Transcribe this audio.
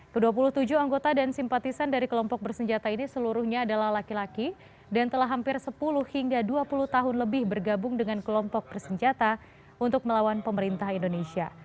ke dua puluh tujuh anggota dan simpatisan dari kelompok bersenjata ini seluruhnya adalah laki laki dan telah hampir sepuluh hingga dua puluh tahun lebih bergabung dengan kelompok bersenjata untuk melawan pemerintah indonesia